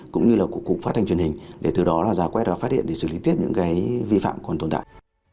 cũng như là của cục phát thanh truyền hình để từ đó là giả quét và phát hiện để xử lý tiếp những cái vi phạm còn tồn tại